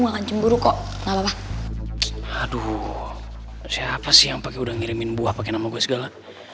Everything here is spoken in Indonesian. ngelanjem buruk kok enggak apa apa aduh siapa sih yang pakai udah ngirimin buah pakai nama gue segala